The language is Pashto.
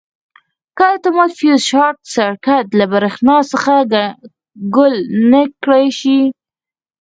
که اتومات فیوز شارټ سرکټ له برېښنا څخه ګل نه کړای شي.